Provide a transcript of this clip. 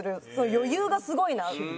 余裕がすごいなって。